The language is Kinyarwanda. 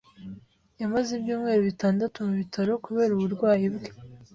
Yamaze ibyumweru bitandatu mu bitaro kubera uburwayi bwe.